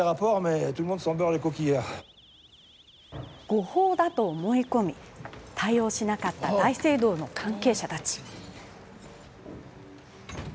誤報だと思い込み対応しなかった大聖堂の関係者たち。